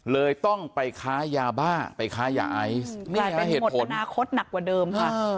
เลยต้องไปค้ายาบ้าไปค้ายาไอนี่ฮะเหตุผลเป็นหมดตนาคตหนักกว่าเดิมค่ะ